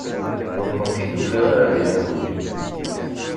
Ur kent-id-ufiɣ ara din iḍelli.